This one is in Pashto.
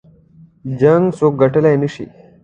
جـنګ څوك ګټلی نه شي